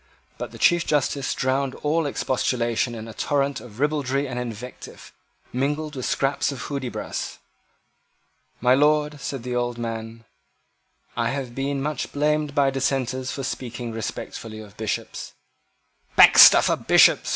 But the Chief Justice drowned all expostulation in a torrent of ribaldry and invective, mingled with scraps of Hudibras. "My Lord," said the old man, "I have been much blamed by Dissenters for speaking respectfully of Bishops." "Baxter for Bishops!"